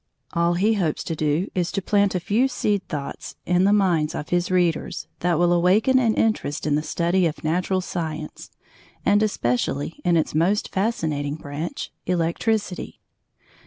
All he hopes to do is to plant a few seed thoughts in the minds of his readers that will awaken an interest in the study of natural science; and especially in its most fascinating branch Electricity.